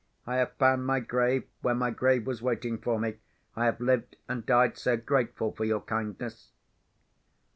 I have found my grave where my grave was waiting for me. I have lived, and died, sir, grateful for your kindness."